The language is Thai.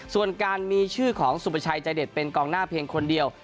ส่วนการมีชื่อของสุประชัยใจเด็ดเป็นกองหน้าเพียงคนเดียว